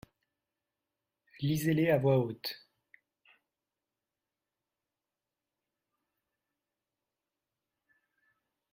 Lisez-les à voix haute.